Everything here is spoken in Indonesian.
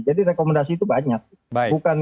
jadi rekomendasi itu banyak